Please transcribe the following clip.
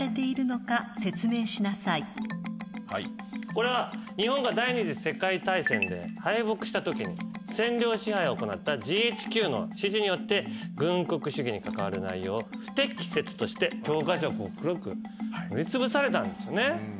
これは日本が第２次世界大戦で敗北したときに占領支配を行ったＧＨＱの指示によって軍国主義に関わる内容を不適切として教科書を黒く塗りつぶされたんですよね。